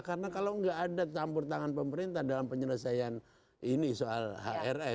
karena kalau gak ada campur tangan pemerintah dalam penyelesaian ini soal hrs